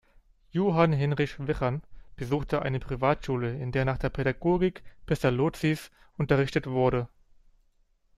Johann Hinrich Wichern besuchte eine Privatschule, in der nach der Pädagogik Pestalozzis unterrichtet wurde.